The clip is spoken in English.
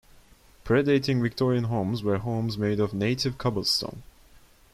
Predating Victorian homes were homes made of native cobblestone.